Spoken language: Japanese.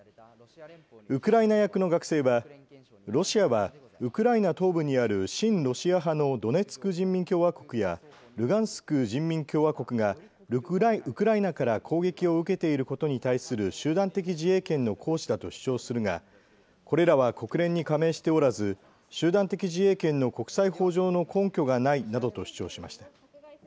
ウクライナ役の学生はロシアは、ウクライナ東部にある親ロシア派のドネツク人民共和国やルガンスク人民共和国がウクライナから攻撃を受けていることに対する集団的自衛権の行使だと主張するがこれらは国連に加盟しておらず集団的自衛権の国際法上の根拠がないなどと主張しました。